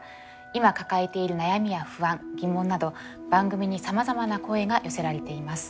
今抱えている悩みや不安疑問など番組にさまざまな声が寄せられています。